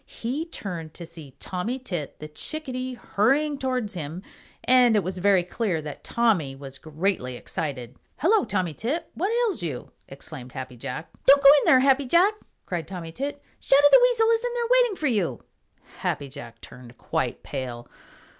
He turned to see Tommy Tit the Chickadee hurrying towards him, and it was very clear that Tommy was greatly excited. "Hello, Tommy Tit! What ails you?" exclaimed Happy Jack. "Don't go in there, Happy Jack!" cried Tommy Tit. "Shadow the Weasel is in there waiting for you!" Happy Jack turned quite pale.